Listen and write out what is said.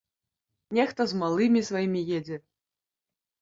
Нехта з малымі сваімі едзе.